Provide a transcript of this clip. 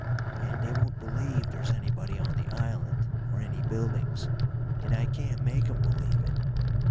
And they won't believe there's anybody on the island or any buildings. And I can't make 'em believe it.